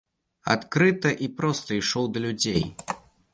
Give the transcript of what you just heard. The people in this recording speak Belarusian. Адкрыта і проста ішоў да людзей.